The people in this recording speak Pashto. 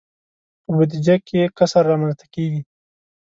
په بودجه کې کسر رامنځته کیږي.